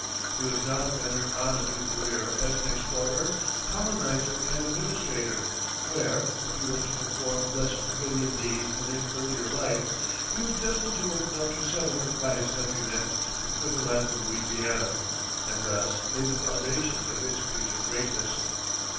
He was now to enter on a new career as an explorer, colonizer, and administrator, where, if he was to perform less brilliant deeds than in earlier life, he was destined to open up to settlement by his countrymen the fertile lands of Louisiana, and thus lay the foundations of its future greatness.